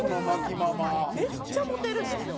めっちゃモテるんですよ。